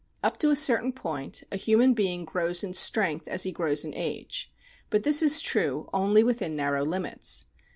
Up to a certain point a human being grows in strength as he grows in age ; but this is true only within narrow limits.